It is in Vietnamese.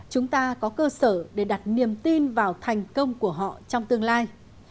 chúng ta có cơ sở để đặt niềm tin vào thành công của họ trong tương lai